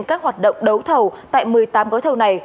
các hoạt động đấu thầu tại một mươi tám gói thầu này